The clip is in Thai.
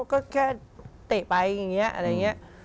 ก็แค่เตะไปอย่างนี้